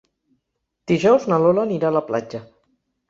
Dijous na Lola anirà a la platja.